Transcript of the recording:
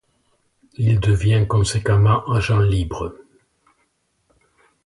Il devient conséquemment agent libre.